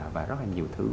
và rất là nhiều thứ